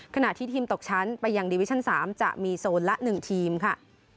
ขณะที่ทีมตกชั้นไปยังดีวิชั่น๓จะมีโซนละ๑ทีมค่ะ